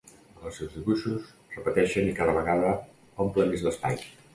Els seus dibuixos repeteixen i cada vegada omple més l'espai.